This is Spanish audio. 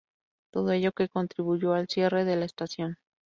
Todo ello que contribuyó al cierre de la estación.